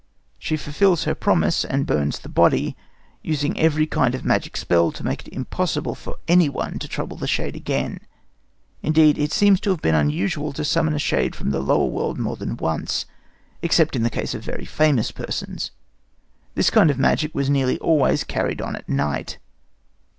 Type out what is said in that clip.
She fulfills her promise and burns the body, using every kind of magic spell to make it impossible for anyone to trouble the shade again. Indeed, it seems to have been unusual to summon a shade from the lower world more than once, except in the case of very famous persons. This kind of magic was nearly always carried on at night.